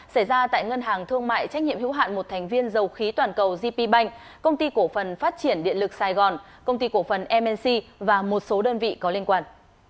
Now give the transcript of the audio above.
xảy ra tại ngân hàng thương mại trách nhiệm hữu hạn một thành viên dầu khí toàn cầu gp banh công ty cổ phần phát triển điện lực sài gòn công ty cổ phần mc và một số đơn vị có liên quan